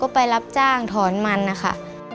ไปรับจ้างถอนมันนะคะ